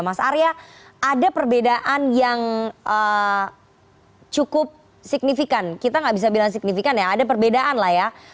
mas arya ada perbedaan yang cukup signifikan kita nggak bisa bilang signifikan ya ada perbedaan lah ya